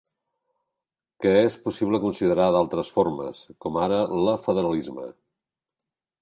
‐ que és possible considerar d’altres formes, com ara la federalisme.